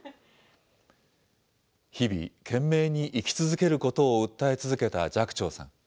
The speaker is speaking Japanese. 日々、懸命に生き続けることを訴え続けた寂聴さん。